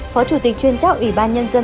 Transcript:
phó chủ tịch chuyên trách ủy ban nhân dân